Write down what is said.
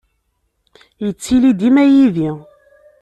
Yettili dima yid-i.